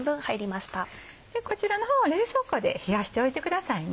でこちらの方は冷蔵庫で冷やしておいてくださいね。